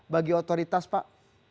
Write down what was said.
bagi otoritas pak